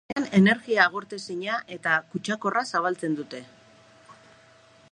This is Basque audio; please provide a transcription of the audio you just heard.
Zuzenean energia agortezina eta kutsakorra zabaltzen dute.